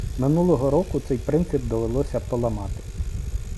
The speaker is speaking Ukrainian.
Минулого року цей принцип довелося поламати.